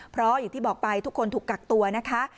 เพราะอย่างที่บอกไปทุกคนถูกกักตัวนะคะ